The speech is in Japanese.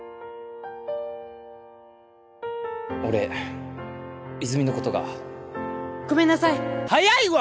俺泉のことがごめんなさい早いわ！